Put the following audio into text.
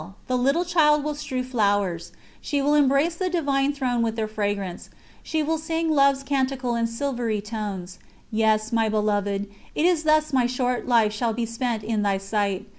The little child will strew flowers ... she will embrace the Divine Throne with their fragrance, she will sing Love's Canticle in silvery tones. Yes, my Beloved, it is thus my short life shall be spent in Thy sight.